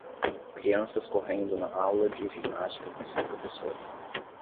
Crianças correndo na aula de ginástica com seu professor.